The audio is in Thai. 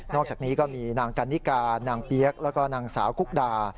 อกจากนี้ก็มีนางกันนิกานางเปี๊ยกแล้วก็นางสาวกุ๊กดา